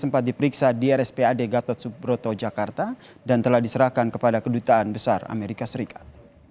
sempat diperiksa di rspad gatot subroto jakarta dan telah diserahkan kepada kedutaan besar amerika serikat